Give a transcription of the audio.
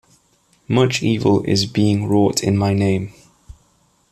Much evil is being wrought in my name.